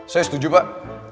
saya setuju pak